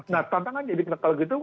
nah tantangan jadi kalau gitu